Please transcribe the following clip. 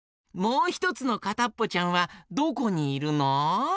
もうひとつのかたっぽちゃんはどこにいるの？